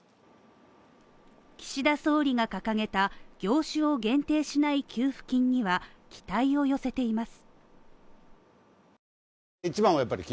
岸田総理が掲げた業種を限定しない給付金には期待を寄せています。